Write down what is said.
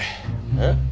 えっ？